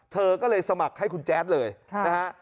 เธอก็เลยสมัครให้คุณแจ๊ดเลยนะฮะ